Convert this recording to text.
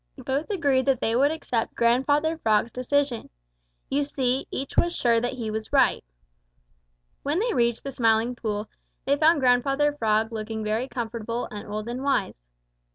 Both agreed that they would accept Grandfather Frog's decision. You see, each was sure that he was right. When they reached the Smiling Pool, they found Grandfather Frog looking very comfortable and old and wise.